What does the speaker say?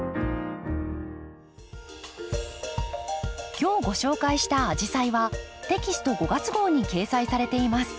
今日ご紹介した「アジサイ」はテキスト５月号に掲載されています。